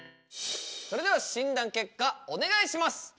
それでは診断結果お願いします！